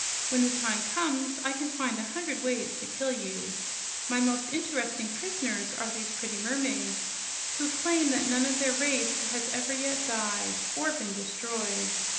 When the time comes, I can find a hundred ways to kill you. My most interesting prisoners are these pretty mermaids, who claim that none of their race has ever yet died or been destroyed.